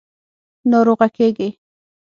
– ناروغه کېږې.